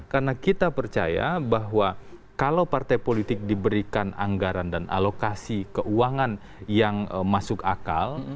karena kita percaya bahwa kalau partai politik diberikan anggaran dan alokasi keuangan yang masuk akal